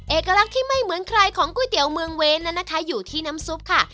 เอกลักษณ์ที่ไม่เหมือนใครของก๋วยเตี๋ยวเมืองเว้นนั้นนะคะอยู่ที่น้ำซุปค่ะ